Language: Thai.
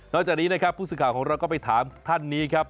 จากนี้นะครับผู้สื่อข่าวของเราก็ไปถามท่านนี้ครับ